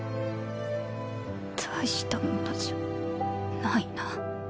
大したものじゃないな。